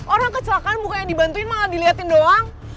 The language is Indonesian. orang kecelakaan bukannya dibantuin malah dilihatin doang